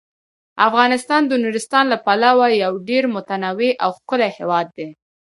افغانستان د نورستان له پلوه یو ډیر متنوع او ښکلی هیواد دی.